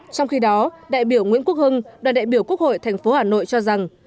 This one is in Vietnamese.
trong khi đó đại biểu nguyễn quốc hưng đoàn đại biểu quốc hội tp hà nội cho rằng